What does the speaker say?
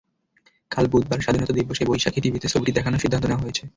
কাল বুধবার স্বাধীনতা দিবসে বৈশাখী টিভিতে ছবিটি দেখানোর সিদ্ধান্ত নেওয়া হয়েছে।